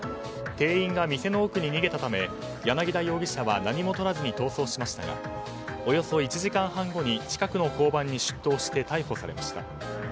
店員が店の奥に逃げたため柳田容疑者は何もとらずに逃走しましたがおよそ１時間半後に近くの交番に出頭して逮捕されました。